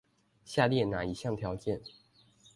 下列那一項條件